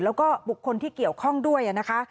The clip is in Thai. แล้วก็บุคคลที่เกี่ยวข้องด้วยนะคะ